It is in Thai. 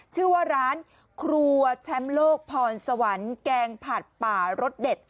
ชื่อว่าร้านครัวแชมป์โลกพรสวรรค์แกงผัดป่ารสเด็ด